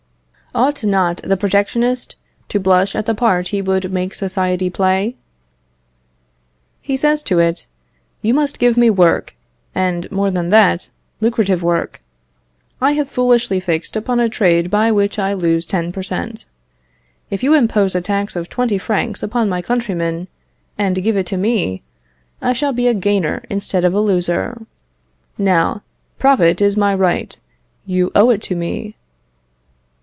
Ought not the protectionist to blush at the part he would make society play? He says to it, "You must give me work, and, more than that, lucrative work. I have foolishly fixed upon a trade by which I lose ten per cent. If you impose a tax of twenty francs upon my countrymen, and give it to me, I shall be a gainer instead of a loser. Now, profit is my right; you owe it me."